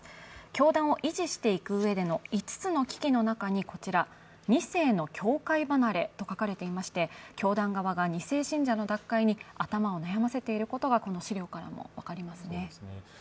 教団を維持していくうえでの５つの危機のの中に２世の教会離れと書かれていまして教団側が２世信者の脱会に頭を悩ませていることがこの資料からも分かりますね。